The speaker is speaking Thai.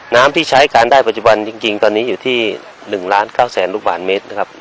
น้ำที่ใช้การได้จริงจริงตอนนี้อยู่ที่๑๙๐๐๐๐๐ลูกบาทเมตรนะครับ